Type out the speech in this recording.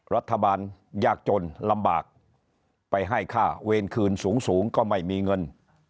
รัฐบาลยากจนลำบากไปให้ค่าเวรคืนสูงก็ไม่มีเงิน